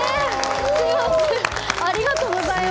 ありがとうございます。